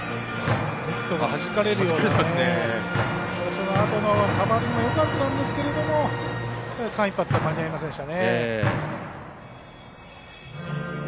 そのあとのカバーリングもよかったんですけども間一髪、間に合いませんでしたね。